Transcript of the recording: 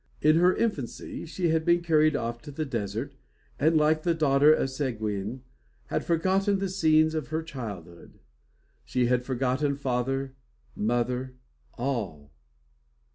In her infancy she had been carried off to the desert, and, like the daughter of Seguin, had forgotten the scenes of her childhood. She had forgotten father mother all!